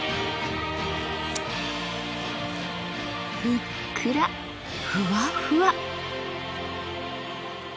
ふっくらふわふわ！